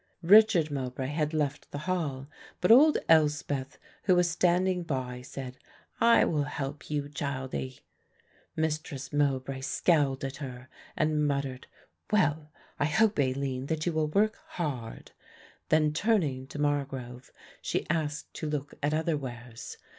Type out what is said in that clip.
Richard Mowbray had left the hall, but old Elspeth who was standing by said, "I will help you, childie." Mistress Mowbray scowled at her, and muttered, "Well, I hope, Aline, that you will work hard," then turning to Margrove she asked to look at other wares.